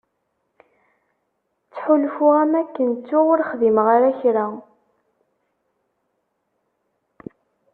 Ttḥulfuɣ am wakken ttuɣ ur xdimeɣ ara kra.